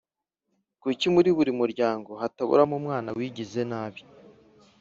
Kuki muri buri muryango hataburamo umwana wigize nabi